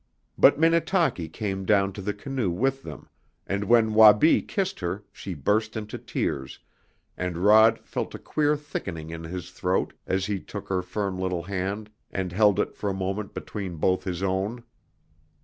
But Minnetaki came down to the canoe with them, and when Wabi kissed her she burst into tears, and Rod felt a queer thickening in his throat as he took her firm little hand and held it for a moment between both his own.